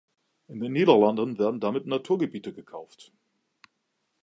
In den Niederlanden werden damit Naturgebiete gekauft.